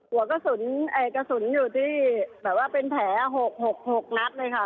หัวกระสุนไอ้กระสุนอยู่ที่แบบว่าเป็นแถวหกหกหกนัดเลยค่ะ